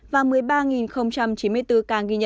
và một mươi ba chín mươi bốn ca ghi nhận